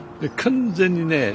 完全にね